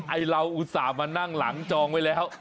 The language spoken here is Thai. ไอ้เราอุตส่าห์มานั่งหลังจองไว้แล้ว